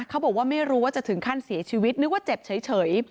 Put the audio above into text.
เขาบอกว่าไม่รู้ว่าจะถึงขั้นเสียชีวิตนึกว่าเจ็บเฉย